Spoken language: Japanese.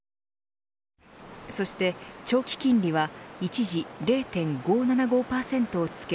そして長期金利は一時０．５７５％をつけ